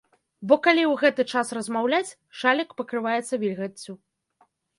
Бо калі ў гэты час размаўляць, шалік пакрываецца вільгаццю.